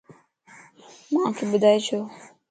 مانک ٻدائي ڇو؟